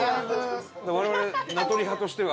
我々名取派としては。